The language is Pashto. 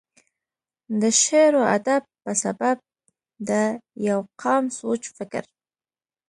دَ شعر و ادب پۀ سبب دَ يو قام سوچ فکر،